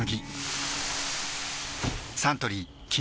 サントリー「金麦」